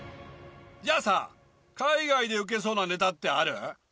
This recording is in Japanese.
じゃあさ海外でウケそうなネタってある？